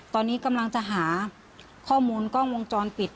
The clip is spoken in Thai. ตอนนี้กำลังจะหาข้อมูลกล้องวงจรปิด